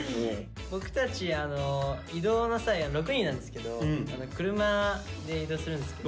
僕たち移動の際６人なんですけど車で移動するんですけど。